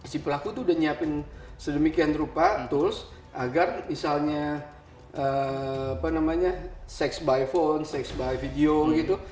si pelaku tuh udah nyiapin sedemikian rupa tools agar misalnya sex by phone sex by video gitu